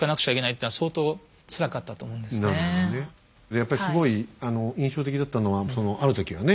やっぱりすごい印象的だったのはそのある時はね